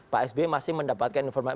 pak sby masih mendapatkan informasi